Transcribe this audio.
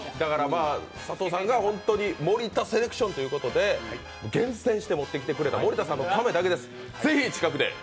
佐藤さんが本当に森田セレクションということで厳選して持ってきてくれた森田さんのためだけです。